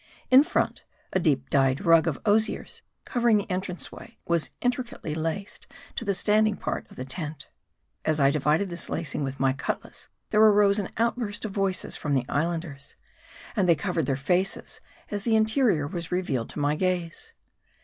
In front, a deep dyed rug of osiers, cov ering the entrance way, was intricately laced to the stand ing part of the tent. As I divided this lacing with my cutlass, there arose an outburst of voices from the Islanders. And they covered their faces, as the interior was revealed to my gaze.